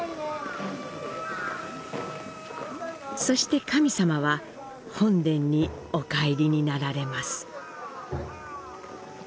そして、神様は本殿にお帰りになられます。